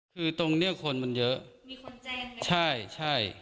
คือตรงเนี้ยคนมันเยอะมีคนแจ้งใช่ใช่